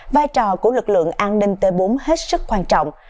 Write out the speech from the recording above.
vai trò của lực lượng an ninh t bốn hết sức quan trọng